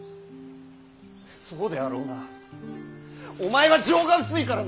そうであろうなお前は情が薄いからな！